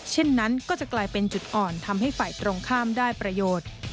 เช่นนั้นก็จะกลายเป็นจุดอ่อนทำให้ฝ่ายตรงข้ามได้ประโยชน์